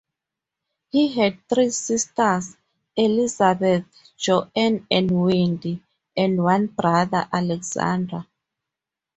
He had three sisters, Elisabeth, Joanna and Wendy, and one brother, Alexander.